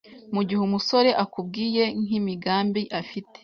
Mugihe umusore akubwiye nk’imigambi afite,